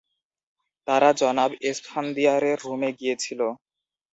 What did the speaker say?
তারা জনাব এসফানদিয়ারের রুমে গিয়েছিল।